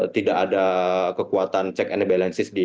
tidak ada kekuatan check and balances di